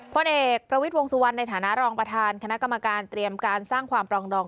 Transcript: พลเอกประวิทย์วงสุวรรณในฐานะรองประธานคณะกรรมการเตรียมการสร้างความปรองดอง